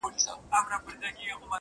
• خو هستي یې نه درلوده ډېر نېسمتن وه ,